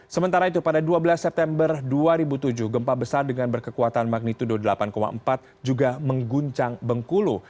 sementara itu pada dua belas september dua ribu tujuh gempa besar dengan berkekuatan magnitudo delapan empat juga mengguncang bengkulu